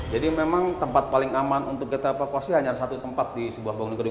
jadi memang tempat paling aman untuk kita evakuasi hanya satu tempat di sebuah bangunan gedung